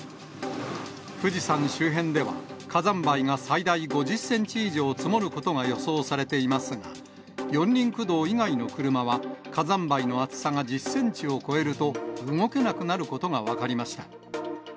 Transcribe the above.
富士山周辺では、火山灰が最大５０センチ以上積もることが予想されていますが、四輪駆動以外の車は、火山灰の厚さが１０センチを超えると、動けなくなることが分かりました。